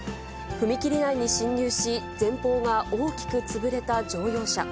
踏切内に進入し、前方が大きく潰れた乗用車。